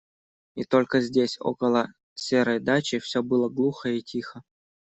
И только здесь, около серой дачи, все было глухо и тихо.